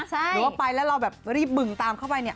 หรือว่าไปแล้วเราแบบรีบบึงตามเข้าไปเนี่ย